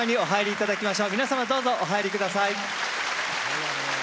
皆様どうぞお入りください。